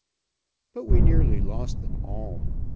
But we nearly lost them all.